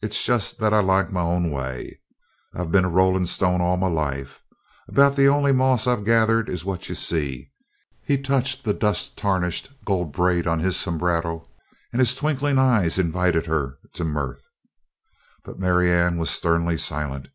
"It's just that I like my own way. I've been a rolling stone all my life. About the only moss I've gathered is what you see." He touched the dust tarnished gold braid on his sombrero and his twinkling eyes invited her to mirth. But Marianne was sternly silent.